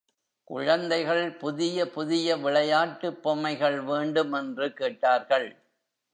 குழந்தைகள் புதிய புதிய விளையாட்டுப் பொம்மைகள் வேண்டும் என்று கேட்டார்கள்.